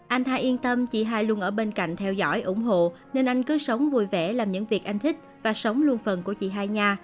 anh thai yên tâm chị hai luôn ở bên cạnh theo dõi ủng hộ nên anh cứ sống vui vẻ làm những việc anh thích và sống luôn phần của chị hai nhà